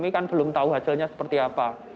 itu hasilnya seperti apa